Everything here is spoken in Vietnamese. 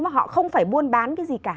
mà họ không phải buôn bán cái gì cả